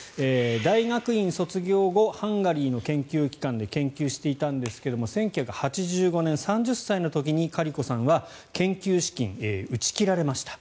大学院卒業後ハンガリーの研究機関で研究していたんですが１９８５年、３０歳の時にカリコさんは研究資金を打ち切られました。